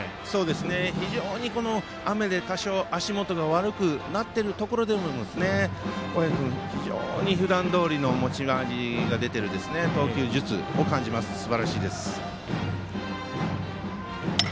非常に雨で多少足元が悪くなっているところでも小宅君、普段どおりの持ち味が出ている投球術を感じますよね、すばらしいです。